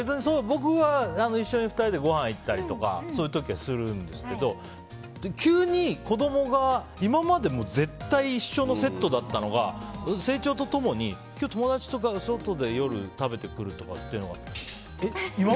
僕は一緒に２人でごはん行ったりとかそういう時はするんですけど急に子供が今まで絶対一緒のセットだったのが成長と共に今日友達と外で夜食べてくるとかっていうとえ？